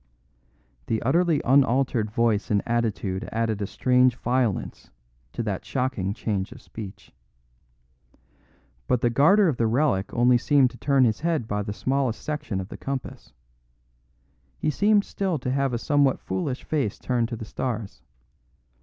The utterly unaltered voice and attitude added a strange violence to that shocking change of speech. But the guarder of the relic only seemed to turn his head by the smallest section of the compass. He seemed still to have a somewhat foolish face turned to the stars.